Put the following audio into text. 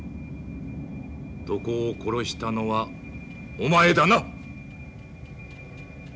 土工を殺したのはお前だな？